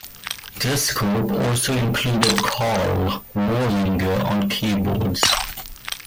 This group also included Karl Wallinger on keyboards.